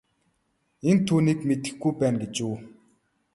Энэ түүнийг мэдэхгүй байна гэж үү.